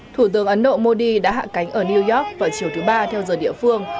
thủ tướng ấn độ modi đã hạ cánh ở new york vào chiều thứ ba theo giờ địa phương